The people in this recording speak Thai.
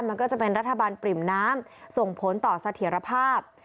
มันก็จะเป็นรัฐบาลปริ่มน้ำส่งผลต่อเสถียรภาพ